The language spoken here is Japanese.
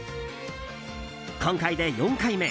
今回で４回目。